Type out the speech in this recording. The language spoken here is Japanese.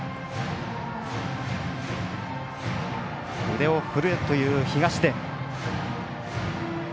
腕を振れという東出。